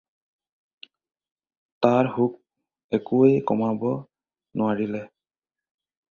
তাৰ শোক একোৱে কমাব নোৱাৰিলে।